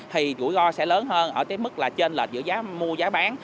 thì rủi ro sẽ lớn hơn ở tới mức là trên lệch giữa giá mua giá bán